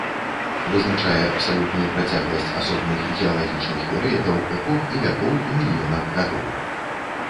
Вызначае абсалютную працягласць асобных геалагічных перыядаў, эпох і вякоў у мільёнах гадоў.